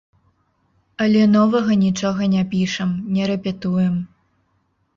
Але новага нічога не пішам, не рэпетуем.